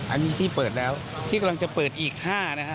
อันนี้ที่เปิดแล้วที่กำลังจะเปิดอีก๕นะฮะ